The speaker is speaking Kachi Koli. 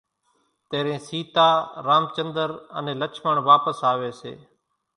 تيرين سيتا، رامچندر انين لڇمڻ واپس آوي سي